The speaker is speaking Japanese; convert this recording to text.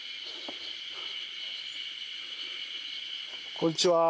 こんにちは。